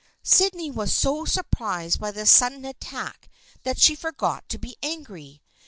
Sydney was so surprised by this sudden attack that she forgot to be angry.